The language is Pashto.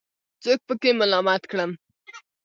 څوک پکې ملامت کړم.